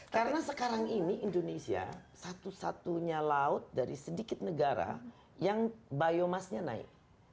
karena sekarang ini indonesia satu satunya laut dari sedikit negara yang biomassnya naik